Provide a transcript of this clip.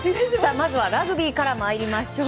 まずはラグビーから参りましょう。